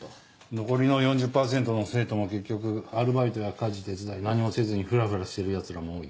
残りの４０％の生徒も結局アルバイトや家事手伝い何もせずにフラフラしてるヤツらも多い。